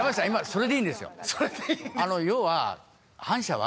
それでいいんですか